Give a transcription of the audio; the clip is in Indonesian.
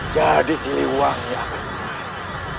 jadi si liwangi akan mati